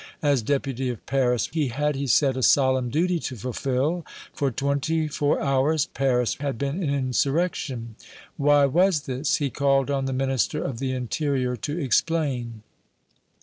As Deputy of Paris he had, he said, a solemn duty to fulfill. For twenty four hours Paris had been in insurrection. Why was this? He called on the Minister of the Interior to explain."